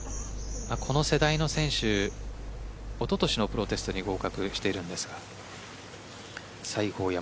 この世代の選手おととしのプロテストに合格しているんですが西郷、